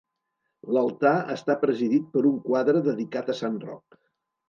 L'altar està presidit per un quadre dedicat a Sant Roc.